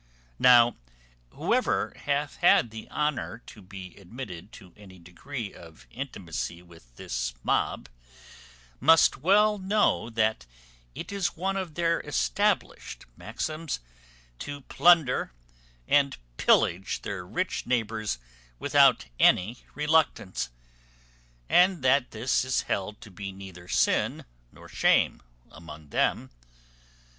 Now, whoever hath had the honour to be admitted to any degree of intimacy with this mob, must well know that it is one of their established maxims to plunder and pillage their rich neighbours without any reluctance; and that this is held to be neither sin nor shame among them.